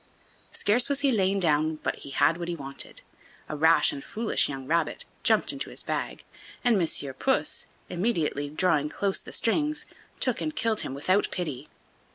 Scarce was he lain down but he had what he wanted. A rash and foolish young rabbit jumped into his bag, and Monsieur Puss, immediately drawing close the strings, took and killed him without pity.